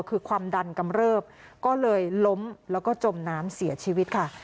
คือความดันกำเริบก็เลยล้มแล้วก็จมน้ำเสียชีวิตค่ะ